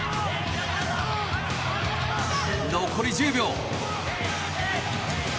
残り１０秒。